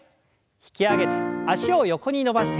引き上げて脚を横に伸ばして。